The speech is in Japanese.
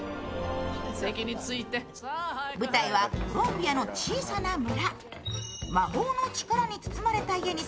舞台はコロンビアの小さな村。